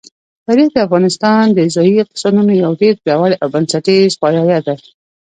تاریخ د افغانستان د ځایي اقتصادونو یو ډېر پیاوړی او بنسټیز پایایه دی.